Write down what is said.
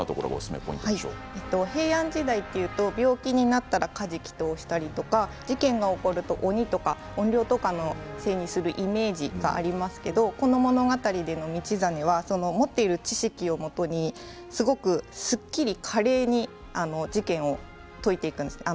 平安時代というと病気になったら、加持祈とうをしたり事件が起きると鬼などのせいにするイメージがありますが道真は持っている知識をもとにすごくすっきり華麗に事件を解いていくんです。